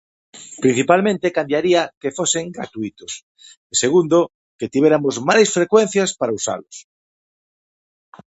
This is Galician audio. Principalmente cambiaría que fosen gratuítos. Segundo, que tivéramos máis frecuencias para usalos.